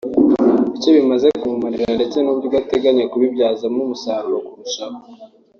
icyo bimaze kumumarirra ndetse n’uburyo ateganya kubibyazamo umusaruro kurushaho